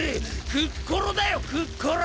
クッコロだよクッコロ！